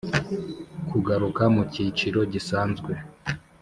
kugaruka mu cyiciro gisanzwe.